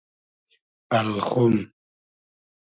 الخوم